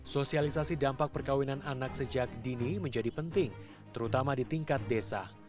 sosialisasi dampak perkawinan anak sejak dini menjadi penting terutama di tingkat desa